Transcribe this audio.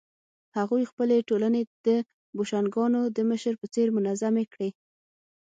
هغوی خپلې ټولنې د بوشونګانو د مشر په څېر منظمې کړې.